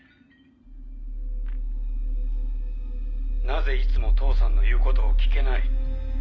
なぜいつも父さんの言うことを聞けない？